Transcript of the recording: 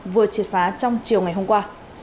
vừa triệt phá trong chiều ngày hôm qua